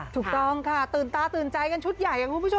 ถูกต้องค่ะตื่นตาตื่นใจกันชุดใหญ่คุณผู้ชม